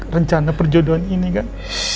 bicara perjodohan ini kan